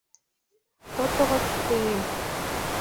Тотоғоҙ, тием!